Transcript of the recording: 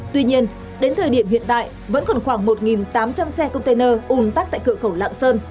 tuy nhiên đến thời điểm hiện tại vẫn còn khoảng một tám trăm linh xe container un tắc tại cửa khẩu lạng sơn